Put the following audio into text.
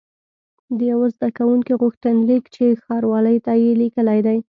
د یوه زده کوونکي غوښتنلیک چې ښاروالۍ ته یې لیکلی دی.